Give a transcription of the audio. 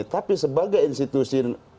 tapi sebagai institusi